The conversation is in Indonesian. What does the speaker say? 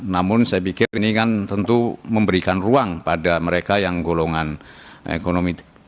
namun saya pikir ini kan tentu memberikan ruang pada mereka yang golongan ekonomi